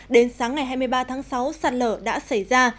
đến sáng ngày hai mươi ba tháng sáu sạt lở đã xảy ra